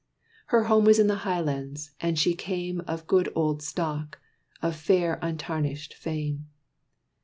Her home was in the Highlands; and she came Of good old stock, of fair untarnished fame.